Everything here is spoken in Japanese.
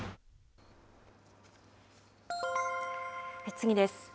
次です。